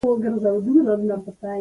یو کچالو سپین کړئ او میده یې کړئ.